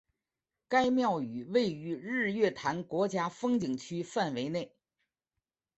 该庙宇位于日月潭国家风景区范围内。